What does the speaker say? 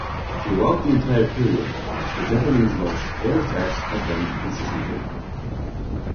Throughout the entire period, the Japanese launched air attacks at them incessantly.